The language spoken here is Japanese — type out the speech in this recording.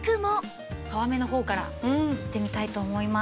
皮目の方からいってみたいと思います。